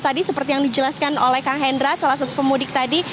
tadi seperti yang dijelaskan oleh kang hendra salah satu pemudik tadi